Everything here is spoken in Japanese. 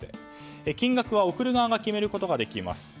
金額は送る側が決めることができます。